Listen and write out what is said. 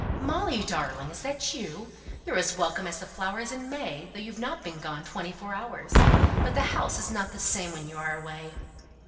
"Molly, darling! Is that you? You're as welcome as the flowers in May, though you've not been gone twenty four hours. But the house isn't the same when you are away!"